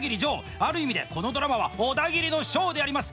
ある意味で、このドラマはオダギリのショーであります。